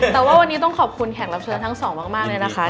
แต่ว่าวันนี้ต้องขอบคุณแขกรับเชิญทั้งสองมากเลยนะคะ